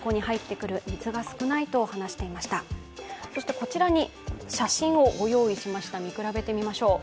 こちらの写真をご用意しました見比べてみましょう。